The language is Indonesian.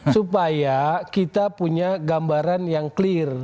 supaya kita punya gambaran yang clear